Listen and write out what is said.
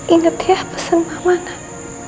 ingat ya pesen mama nak